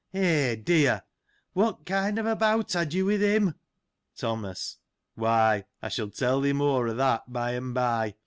— Eh, dear ! what kind of a bout had you with him ? Thomas. — Why, I shall tell thee more of that by and by.